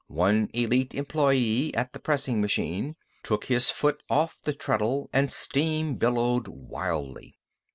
One Elite employee, at the pressing machine, took his foot off the treadle and steam billowed wildly.